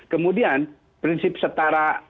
kemudian prinsip setara dan merancang